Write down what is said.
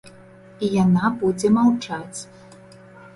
І яна будзе маўчаць.